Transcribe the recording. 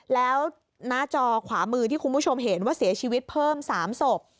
แล้วหน้าจอขวามือที่คุณผู้ชมเห็นว่าเสียชีวิตเพิ่ม๓ศพ